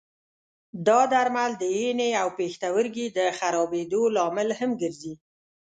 دا درمل د ینې او پښتورګي د خرابېدو لامل هم ګرځي.